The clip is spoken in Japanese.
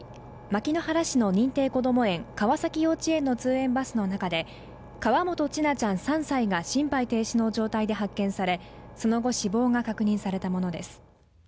牧之原市の認定こども園川崎幼稚園の通園バスの中で河本千奈ちゃん３歳が心肺停止の状態で発見されその後死亡が確認されたものです